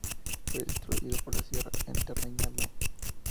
Fue distribuido por Sierra Entertainment.